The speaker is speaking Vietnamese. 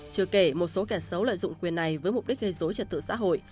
chưa kể một số kẻ xấu lợi dụng quyền này với mục đích gây dối trật tự xã hội